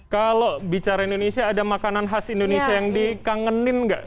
kalau bicara indonesia ada makanan khas indonesia yang dikangenin nggak